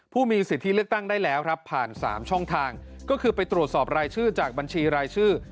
ผู้มีสิทธิเลือกตั้งได้แล้วครับผ่าน๓ช่องทางก็คือไปตรวจสอบรายชื่อจากบัญชีรายชื่อ